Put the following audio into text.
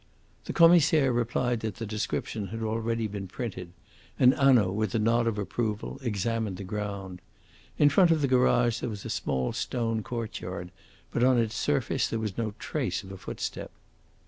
The Commissaire replied that the description had already been printed, and Hanaud, with a nod of approval, examined the ground. In front of the garage there was a small stone courtyard, but on its surface there was no trace of a footstep.